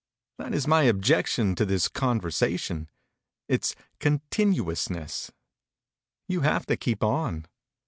That is my objection to this conversation: its continuousness. You have to keep on.